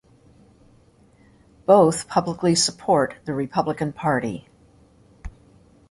Both publicly support the Republican party.